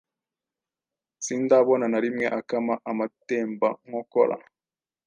sindabona na rimwe akama amatembankokora